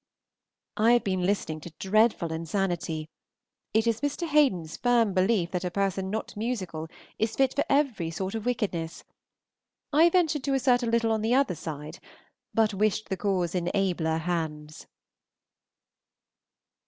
I have been listening to dreadful insanity. It is Mr. Haden's firm belief that a person not musical is fit for every sort of wickedness. I ventured to assert a little on the other side, but wished the cause in abler hands.